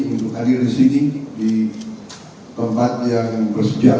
untuk hadir di sini di tempat yang bersedia